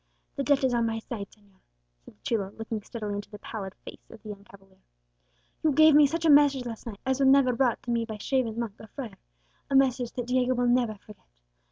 "The debt is on my side, señor," said the chulo, looking steadily into the pallid face of the young cavalier. "You gave me such a message last night as was never brought to me by shaven monk or friar, a message that Diego will never forget.